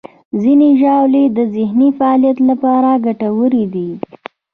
ځینې ژاولې د ذهني فعالیت لپاره ګټورې دي.